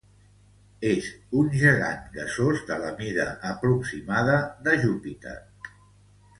És un gegant gasós de la mida aproximada de Júpiter.